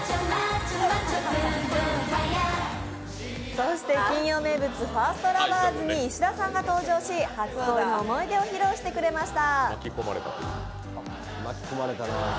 そして金曜名物・ファーストラバーズに石田さんが登場し初恋の思い出を披露してくれました。